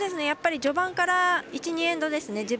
やっぱり序盤から１２エンドですね